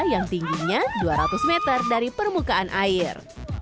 yang tingginya dua ratus meter dari permukaan air